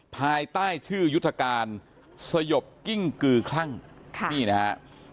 ภายใต้ชื่อยุทธการสยบกิ้งกือคลั่งนี่นะฮะ